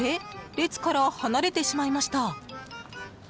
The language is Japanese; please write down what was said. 列から離れてしまいました。